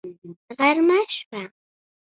غرمه شوه